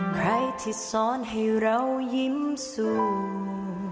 ใครที่ซ้อนให้เรายิ้มสู้